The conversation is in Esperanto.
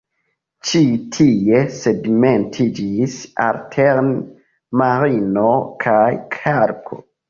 Ĉi tie sedimentiĝis alterne marno kaj kalko.